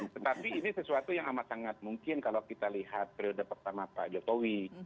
tetapi ini sesuatu yang amat sangat mungkin kalau kita lihat periode pertama pak jokowi